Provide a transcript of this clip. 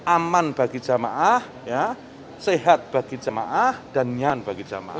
aman bagi jamaah sehat bagi jemaah dan nyan bagi jamaah